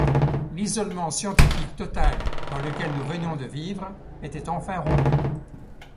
L'isolement scientifique total dans lequel nous venions de vivre était enfin rompu.